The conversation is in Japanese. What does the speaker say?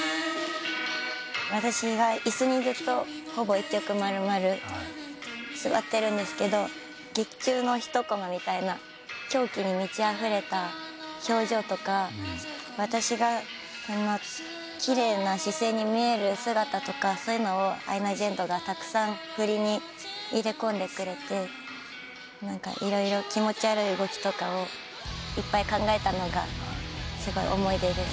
私が椅子にずっとほぼ１曲丸々座ってるんですけど劇中の一こまみたいな狂気に満ちあふれた表情とか私が奇麗な姿勢に見える姿とかそういうのをアイナ・ジ・エンドがたくさん振りに入れこんでくれて色々気持ち悪い動きとかをいっぱい考えたのがすごい思い出です。